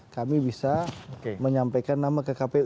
kami bisa menyampaikan nama ke kpu